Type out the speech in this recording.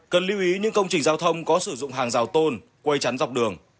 cần lưu ý những công trình giao thông có sử dụng hàng rào tôn quay chắn dọc đường